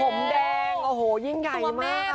ผมแดงโอ้โหยิ่งใหญ่มาก